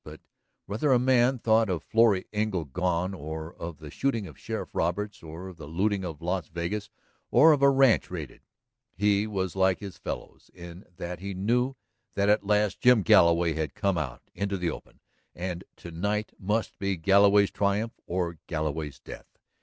But whether a man thought of Florrie Engle gone or of the shooting of Sheriff Roberts or of the looting of Las Vegas or of a ranch raided, he was like his fellows in that he knew that at last Jim Galloway had come out into the open and that to night must be Galloway's triumph or Galloway's death.